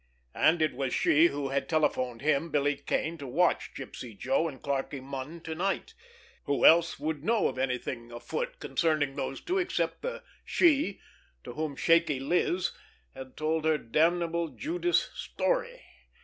And it was she who had telephoned him, Billy Kane, to watch Gypsy Joe and Clarkie Munn to night. Who else would know of anything afoot concerning those two except the "she" to whom Shaky Liz had told her damnable Judas story?